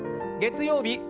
月曜日